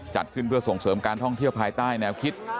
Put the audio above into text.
จัดขึ้นเพื่อส่งเสริมการท่องเที่ยวภายใต้แนวคิด